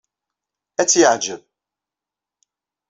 Ad tt-yeɛjeb.